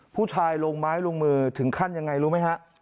ผู้ชายลงไม้ลงมือถึงขั้นยังไงรู้ไหมฮะ